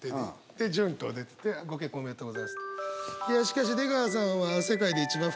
で潤と出てて「ご結婚おめでとうございます」